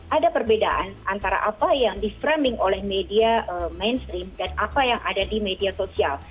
ada perbedaan antara apa yang di framing oleh media mainstream dan apa yang ada di media sosial